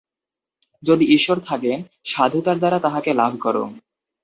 যদি ঈশ্বর থাকেন, সাধুতার দ্বারা তাঁহাকে লাভ কর।